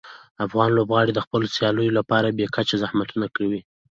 افغان لوبغاړي د خپلو سیالیو لپاره بې کچه زحمتونه کوي.